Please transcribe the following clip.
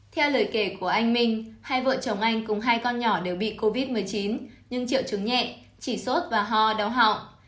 theo lời kể của anh minh hai vợ chồng anh cùng hai con nhỏ đều bị covid một mươi chín nhưng triệu chứng nhẹ chỉ sốt và ho đau họng